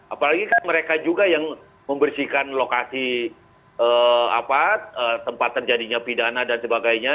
apalagi kan mereka juga yang membersihkan lokasi tempat terjadinya pidana dan sebagainya